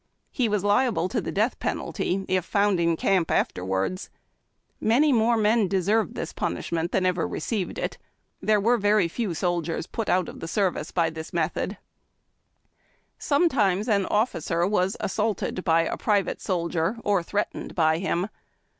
He was liable to the death j^enalty if found in camp af terwards. Many more men deserved this punishment than ever received it. There were very few soldiers put out of the service by this method. Sometimes an officer was assaulted by a private soldier or threatened by him.